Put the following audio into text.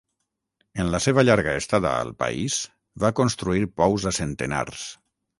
En la seva llarga estada al país, va construir pous a centenars.